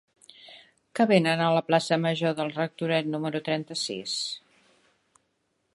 Què venen a la plaça Major del Rectoret número trenta-sis?